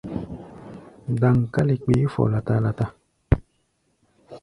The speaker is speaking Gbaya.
Daŋkále kpeé fɔ lata-lata.